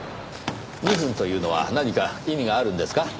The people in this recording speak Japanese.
２分というのは何か意味があるんですか？